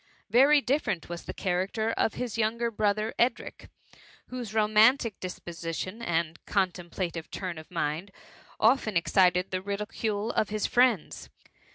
Very different was the character of his younger brother Edric, whose romantic disposition and contemplative turn of mind otten excited the ridicule of his friends.